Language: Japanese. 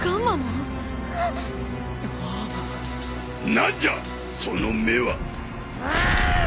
何じゃその目は！？